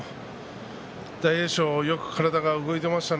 大栄翔はよく体が動いていました。